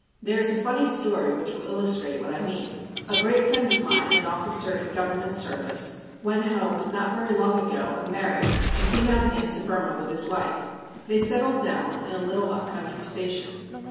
There is a funny story which will illustrate what I mean. A great friend of mine, an officer in Government service, went home not very long ago and married, and came out again to Burma with his wife. They settled down in a little up country station.